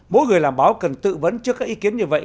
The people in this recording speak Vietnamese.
mỗi người làm báo cần tự vấn trước các ý kiến như vậy